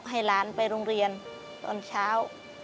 ให้หลานไปโรงเรียนตอนเช้า